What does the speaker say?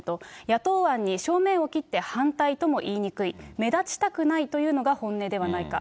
野党案に正面を切って反対とも言いにくい、目立ちたくないというのが本音ではないか。